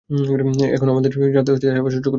এখানে আমাদের আসতে কেমন হ্যাপা সহ্য করতে হয়েছে!